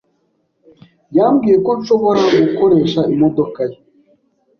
Yambwiye ko nshobora gukoresha imodoka ye.